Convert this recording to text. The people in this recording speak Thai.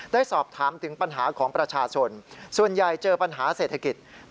ได้สอบถามถึงปัญหาของประชาชนส่วนใหญ่เจอปัญหาเศรษฐกิจ